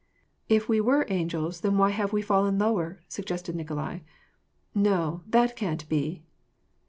" If we were angels, then why have we fallen lower ?" suggested Nikolai. " No, that can't be